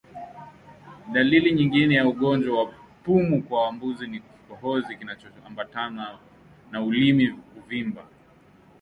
Dalili nyingine ya ugonjwa wa pumu kwa mbuzi ni kikohozi kinachoambatana na ulimi kuvimba